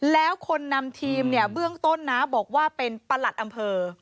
แล้วคนนำทีมเนี่ยเบื้องต้นนะบอกว่าเป็นประหลัดอำเภอ